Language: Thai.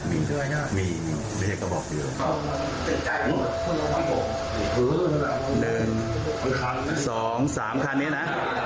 หนึ่งสองสามค่ะอันนี้นะ